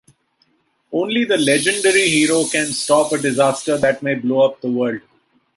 Only the Legendary Hero can stop a disaster that may blow up the world.